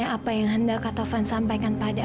aku benci sama edo